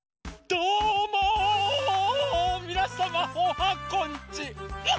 どうもみなさまおはこんちワン！